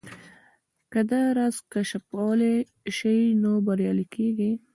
که دا راز کشفولای شئ نو بريالي کېږئ.